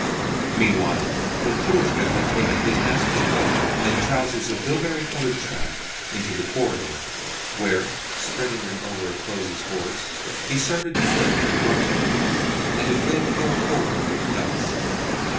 Meanwhile Petrushka had taken his master's coat and trousers of bilberry coloured check into the corridor; where, spreading them over a clothes' horse, he started to flick and to brush them, and to fill the whole corridor with dust.